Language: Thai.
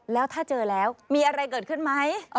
แล้วถ้าเจอแล้วมีอะไรเกิดขึ้นไหม